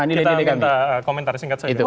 kita ingin minta komentar singkat saja